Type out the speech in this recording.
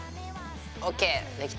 ＯＫできた。